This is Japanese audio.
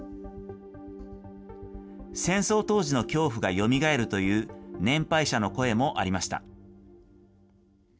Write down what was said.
戦争当時の恐怖がよみがえるという年配者の声もありました。